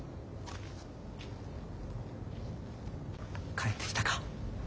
帰ってきたか。